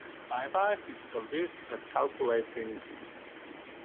My wife is a whiz at calculating